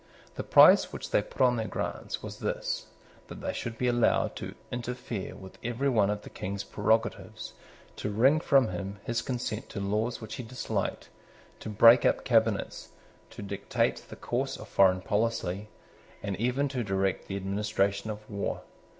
The price which they put on their grants was this, that they should be allowed to interfere with every one of the King's prerogatives, to wring from him his consent to laws which he disliked, to break up cabinets, to dictate the course of foreign policy, and even to direct the administration of war.